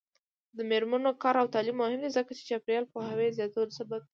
د میرمنو کار او تعلیم مهم دی ځکه چې چاپیریال پوهاوي زیاتولو سبب دی.